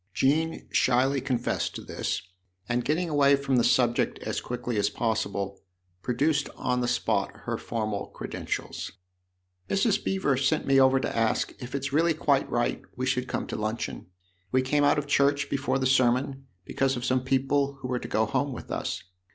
Jean shyly confessed to this, and getting away from the subject as quickly as possible, produced on the spot her formal credentials. " Mrs. Beever sent me over to ask if it's really quite right we should come to luncheon. We came out of church before the sermon, because of some people who were to go home with us.